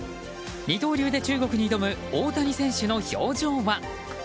二刀流で中国に挑む大谷選手の表情は？